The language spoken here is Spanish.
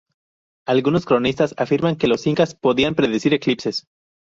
Algunos cronistas afirman que los incas podían predecir eclipses.